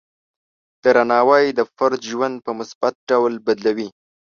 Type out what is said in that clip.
درناوی د فرد ژوند په مثبت ډول بدلوي.